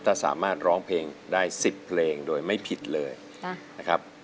ถ้าสามารถร้องเพลงได้๑๐เพลงโดยไม่ผิดเลยนะครับ